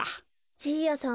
じいやさん